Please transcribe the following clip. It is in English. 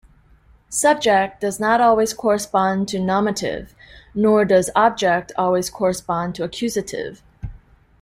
"Subject" does not always correspond to "nominative", nor does "object" always correspond to "accusative".